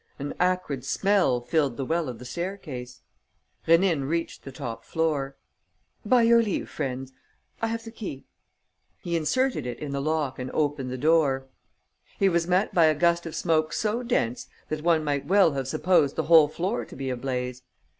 An acrid smell filled the well of the stair case. Rénine reached the top floor: "By your leave, friends. I have the key." He inserted it in the lock and opened the door. He was met by a gust of smoke so dense that one might well have supposed the whole floor to be ablaze.